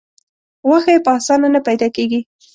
غوښه یې په اسانه نه پیدا کېږي.